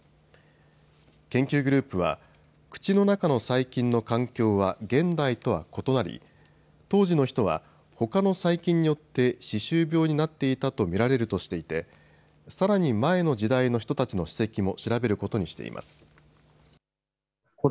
研究グループは口の中の細菌の環境は現代とは異なり、当時の人はほかの細菌によって歯周病になっていたと見られるとしていてさらに前の時代の人たちの歯石も調べることにしています。